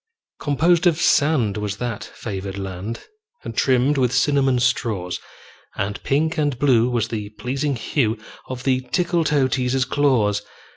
Composed of sand was that favored land, And trimmed with cinnamon straws; And pink and blue was the pleasing hue Of the Tickletoeteaser's claws.